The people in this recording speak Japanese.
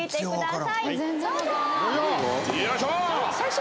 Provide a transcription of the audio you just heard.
よいしょ！